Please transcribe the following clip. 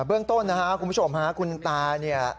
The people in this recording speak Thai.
เบื้องต้นนะครับคุณผู้ชมฮะคุณตาเนี่ย